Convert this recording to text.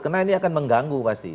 karena ini akan mengganggu pasti